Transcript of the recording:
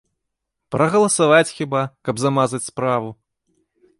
Прагаласаваць хіба, каб замазаць справу?